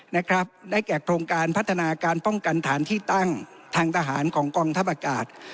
นะครับได้แก่โครงการพัฒนาการป้องกันฐานที่ตั้งทางทหารของกองทัพอากาศ